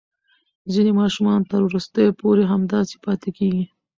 ځینې ماشومان تر وروستیو پورې همداسې پاتې کېږي.